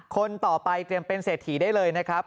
คนต่อไปเตรียมเป็นเศรษฐีได้เลยนะครับ